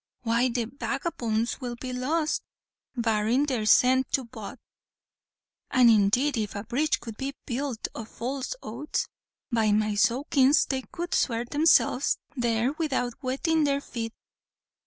Why the vagabones will be lost, barrin' they're sent to Bot and indeed if a bridge could be built of false oaths, by my sowkins, they could sware themselves there without wettin' their feet."